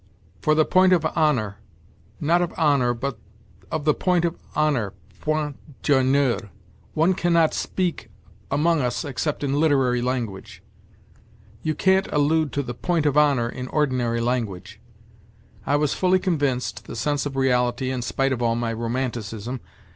For of the point of honour not of honour, but of the point of honour (point d'tionneur) one cannot speak among us except in literary language. You can't allude to the " point of honour " in ordinary language. I was fully convinced (the sense of reality, in spite of all my romanticism